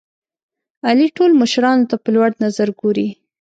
علي ټول مشرانو ته په لوړ نظر ګوري.